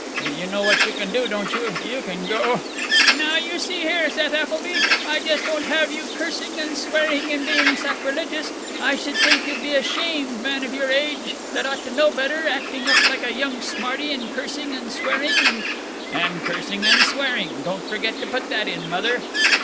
And you know what you can do, don't you? You can go '" "Now you see here, Seth Appleby, I just won't have you cursing and swearing and being sacrilegious. I sh'd think you'd be ashamed, man of your age that ought to know better, acting up like a young smarty and cursing and swearing and " "And cursing and swearing. Don't forget to put that in, Mother."